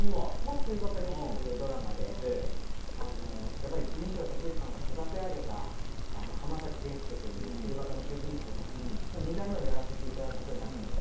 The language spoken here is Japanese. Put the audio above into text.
「釣りバカ日誌」というドラマでやっぱり西田敏行さんが育て上げた「釣りバカ」の主人公の２代目をやらせていただくことになったので